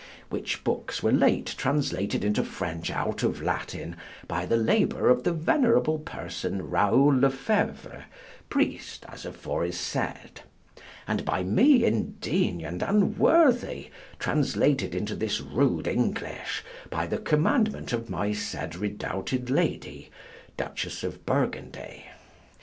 Which bookes were late translated into French out of Latin by the labour of the venerable person Raoul le Feure, priest, as afore is said; and by me indigne and unworthy, translated into this rude English by the commandment of my said redoubted Lady, Duchess of Burgundy.